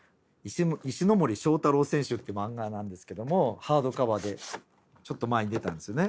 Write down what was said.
「石森章太郎選集」っていうマンガなんですけどもハードカバーでちょっと前に出たんですよね。